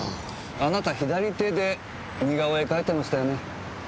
あなた左手で似顔絵描いてましたよね？